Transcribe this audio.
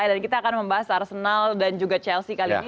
dan kita akan membahas arsenal dan juga chelsea kali ini